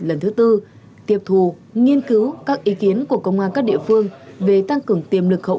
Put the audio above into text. lần thứ tư tiệp thù nghiên cứu các ý kiến của công an các địa phương về tăng cường tiềm lực hậu